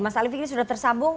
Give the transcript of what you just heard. mas ali fikri sudah tersambung